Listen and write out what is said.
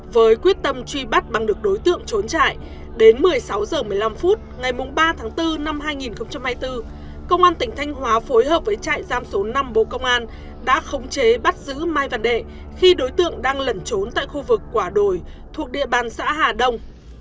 với quyết tâm truy bắt bằng được đối tượng trốn trại đến một mươi sáu h một mươi năm phút ngày ba tháng bốn năm hai nghìn hai mươi bốn công an tỉnh thanh hóa phối hợp với trại giam số năm bộ công an đã khống chế bắt giữ mai văn đệ khi đối tượng đang lẩn trốn tại khu vực quả đồi thuộc địa bàn xã hà đông